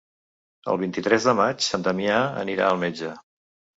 El vint-i-tres de maig en Damià anirà al metge.